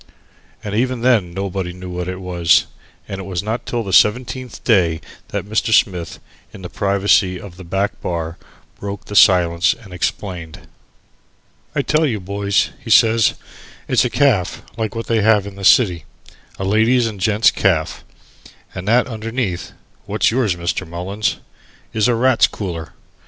And even then nobody knew what it was, and it was not till the seventeenth day that Mr. Smith, in the privacy of the back bar, broke the silence and explained. "I tell you, boys," he says, "it's a caff like what they have in the city a ladies' and gent's caff, and that underneath (what's yours, Mr. Mullins?) is a Rats' Cooler.